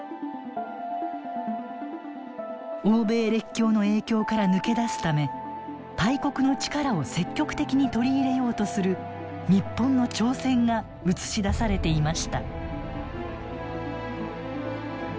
欧米列強の影響から抜け出すため大国の力を積極的に取り入れようとする日本の挑戦が写し出されていました。